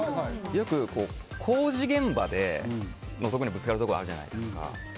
よく工事現場にぶつかることあるじゃないですか。